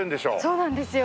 そうなんですよ。